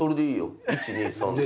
１２３で。